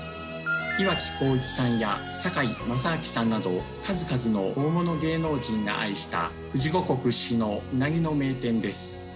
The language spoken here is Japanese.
岩城滉一さんや堺正章さんなど数々の大物芸能人が愛した富士五湖屈指のうなぎの名店です。